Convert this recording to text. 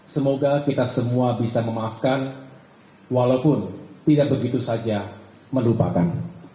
semoga kita semua bisa memaafkan walaupun tidak begitu saja melupakan